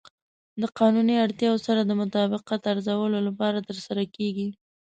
د قانوني اړتیاوو سره د مطابقت ارزولو لپاره ترسره کیږي.